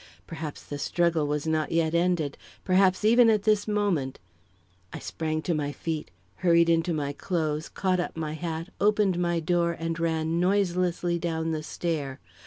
Perhaps the struggle was not yet ended; perhaps, even at this moment I sprang to my feet, hurried into my clothes, caught up my hat, opened my door and ran noiselessly down the stair.